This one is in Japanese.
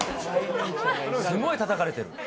すごいたたかれてる。